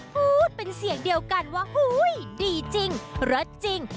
พูดเป็นเสียงเดียวกันว่าฮู้ยดีจริงรสจริง